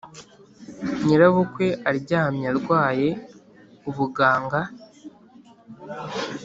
nyirabukwe aryamye arwaye ubuganga